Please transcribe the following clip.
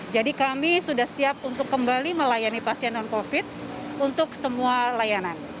jadi kami sudah siap untuk kembali melayani pasien non covid untuk semua layanan